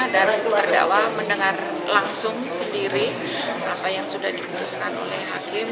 dan terdakwah mendengar langsung sendiri apa yang sudah dibutuhkan oleh hakim